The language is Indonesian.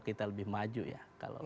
kita lebih maju ya